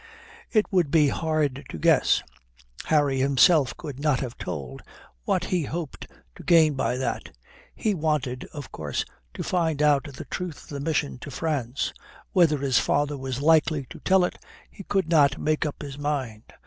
It would be hard to guess Harry himself could not have told what he hoped to gain by that. He wanted, of course, to find out the truth of the mission to France. Whether his father was likely to tell it, he could not make up his mind.